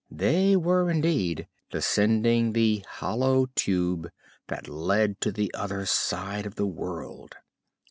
They were, indeed, descending the "Hollow Tube" that led to the other side of the world.